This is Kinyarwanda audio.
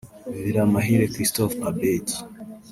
Biramahire Christophe Abeddy